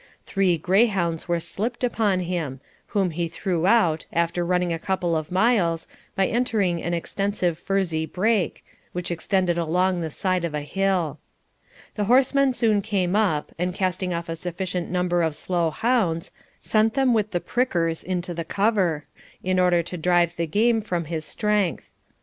Three greyhounds were slipped upon him, whom he threw out, after running a couple of miles, by entering an extensive furzy brake, which extended along the side of a hill. The horsemen soon came up, and casting off a sufficient number of slow hounds, sent them with the prickers into the cover, in order to drive the game from his strength.